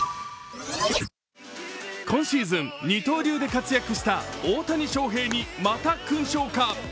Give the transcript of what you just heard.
今シーズン２刀流で活躍した大谷翔平にまた勲章か？